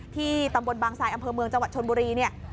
ที่ตำบลบางทรายอำเภอเมืองจังหวัดชนบุรีเนี่ย